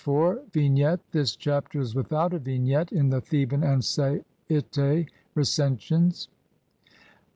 ] Vignette : This Chapter is without a vignette in the Theban and Sai'te Recensions.